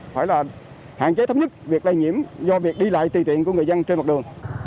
phải là hạn chế thấp nhất việc lây nhiễm do việc đi lại tùy tiện của người dân trên mặt đường